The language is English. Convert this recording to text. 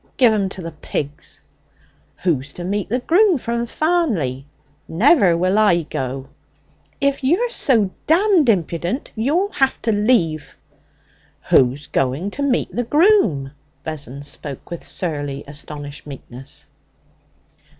'Give 'em to the pigs.' 'Who's to meet the groom from Farnley? Never will I go!' 'If you're so damned impudent, you'll have to leave.' 'Who's to meet the groom?' Vessons spoke with surly, astonished meekness.